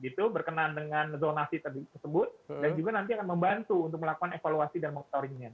begitu berkenan dengan zonasi tersebut dan juga nanti akan membantu untuk melakukan evaluasi dan monitoring nya